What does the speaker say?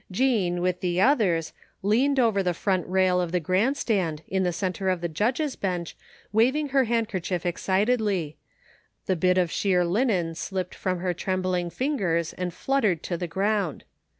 Jean, with the others, leaned over the front rail of the grandstand, in the centre of the judges' bench wav ing her handkerchief excitedly; the bit of sheer linen slipped from her trembling fingers and fluttered to the ground.